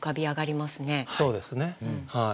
そうですね。